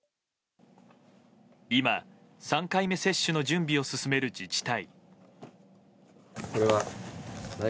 今、３回目接種の準備を進める自治体。